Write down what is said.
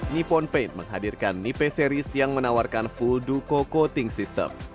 nippon paint menghadirkan nipe series yang menawarkan full duko coating system